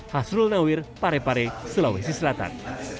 hasrul nawir parepare sulawesi selatan